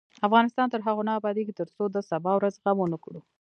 افغانستان تر هغو نه ابادیږي، ترڅو د سبا ورځې غم ونکړو.